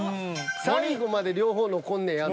最後まで両方残んねやの。